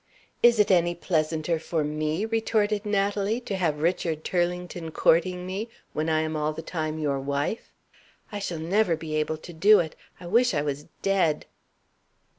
"Is it any pleasanter for me," retorted Natalie, "to have Richard Turlington courting me, when I am all the time your wife? I shall never be able to do it. I wish I was dead!"